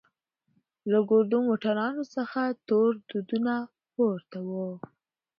له ګردو موټرانو څخه تور دودونه پورته وو.